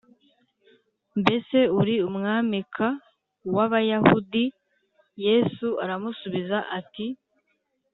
mbese uri umwamik w Abayahudi Yesu aramusubiza ati